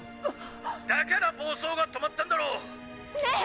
だから暴走が止まったんだろ！ねぇ！